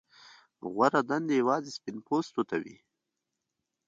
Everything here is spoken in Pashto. غوره دندې یوازې سپین پوستو ته وې.